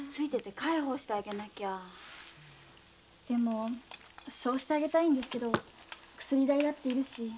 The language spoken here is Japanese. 介抱してあげたいんですけど薬代だって要るし。